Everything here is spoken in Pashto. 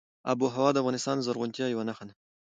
آب وهوا د افغانستان د زرغونتیا یوه نښه ده.